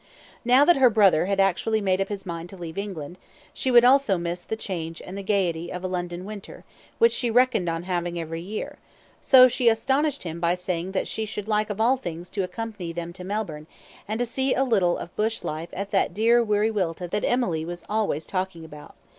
Now that her brother had actually made up his mind to leave England, she would also miss the change and the gaiety of a London winter, which she reckoned on having every year; so she astonished him by saying that she should like of all things to accompany them to Melbourne, and to see a little of bush life at that dear Wiriwilta that Emily was always talking about.